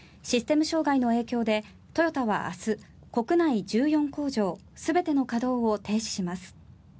システム障害の影響でトヨタは明日国内１４工場全ての稼働を停止します。